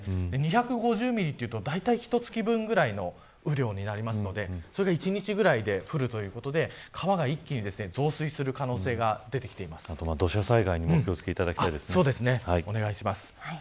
２５０ミリというとだいたい、ひと月分ぐらいの雨量になりますのでそれが一日ぐらいで降るということで川が一気に増水する可能性が土砂災害にもお願いします。